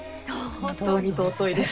本当に尊いです。